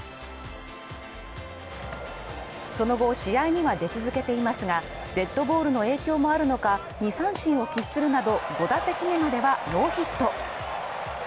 その後試合には出続けていますが、デッドボールの影響もあるのか、２三振を喫するなど５打席目まではノーヒット。